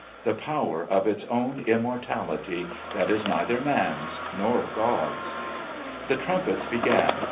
the Power of its own Immortality that is neither man's nor God's. The trumpets began.